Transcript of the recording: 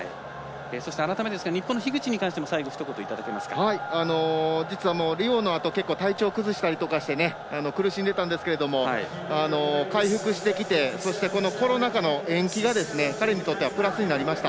そして、改めてですが日本の樋口に関しても最後ひと言いただけますかリオのあと体調くずしたりとかして苦しんでたんですけど回復してきてそして、コロナ禍の延期が彼にとってはプラスになりました。